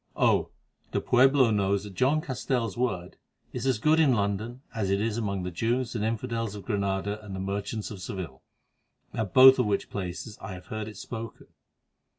Oh! de Puebla knows that John Castell's word is as good in London as it is among the Jews and infidels of Granada and the merchants of Seville, at both of which places I have heard it spoken."